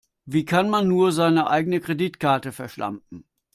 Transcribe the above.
Wie kann man nur seine eigene Kreditkarte verschlampen?